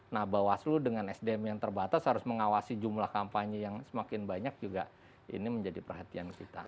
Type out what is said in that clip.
nah bawaslu dengan sdm yang terbatas harus mengawasi jumlah kampanye yang semakin banyak juga ini menjadi perhatian kita